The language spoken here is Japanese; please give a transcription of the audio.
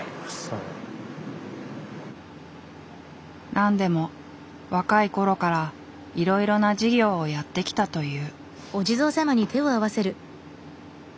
何でも若い頃からいろいろな事業をやってきたという。